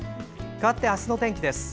かわって、明日の天気です。